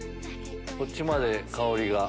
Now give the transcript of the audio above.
こっちまで香りが。